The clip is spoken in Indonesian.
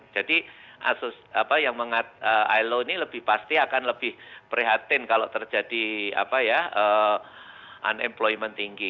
jadi ilo ini lebih pasti akan lebih prihatin kalau terjadi unemployment tinggi